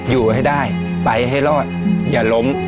อยู่ให้ได้ไปให้รอดอย่าล้ม